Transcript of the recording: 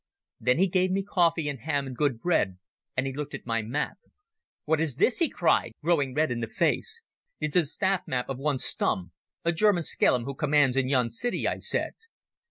Then he gave me coffee and ham and good bread, and he looked at my map. "'What is this?' he cried, growing red in the face. "'It is the staff map of one Stumm, a German skellum who commands in yon city,' I said.